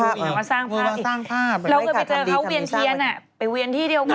เราก็เจอเขาเวียนเทียนไปเวียนที่เดียวกัน